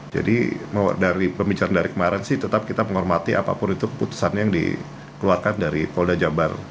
jadi dari pembicaraan dari kemarin sih tetap kita menghormati apapun itu keputusan yang dikeluarkan dari wolda jabar